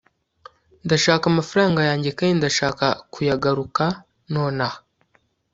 ndashaka amafaranga yanjye kandi ndashaka kuyagaruka nonaha